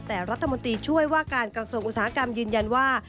แต่รัฐมนตรีช่วยว่าการกระทรวงอุตสาหกรรมยืนยันว่า